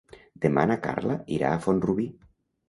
Demà na Carla irà a Font-rubí.